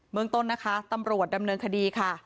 เมืองต้นนะคะตำรวจดำเนินคดีค่ะ